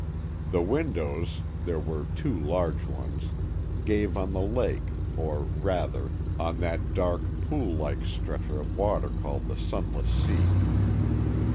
The windows, there were two large ones, gave on the lake, or rather, on that dark pool like stretch of water called the Sunless Sea.